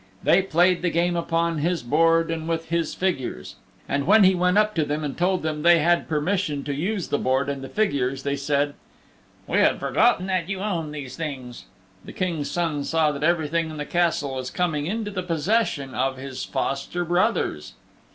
They played the game upon his board and with his figures. And when he went up to them and told them they had permission to use the board and the figures, they said, "We had forgotten that you owned these things." The King's Son saw that everything in the Castle was coming into the possession of his foster brothers.